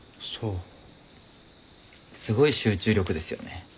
すごい集中力ですよね。